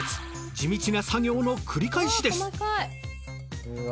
地道な作業の繰り返しです。